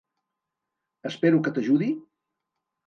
Espero que t'ajudi?